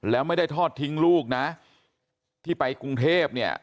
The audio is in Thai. แล้วไม่ได้ทอดทิ้งลูกนะที่ไปกรุงเทพเนี่ย